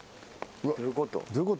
どういうこと？